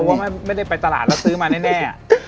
เพราะว่าไม่ได้ไปตลาดแล้วซื้อมาแน่